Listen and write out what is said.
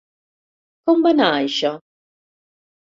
Com va anar, això?